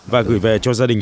và gửi về cho gia đình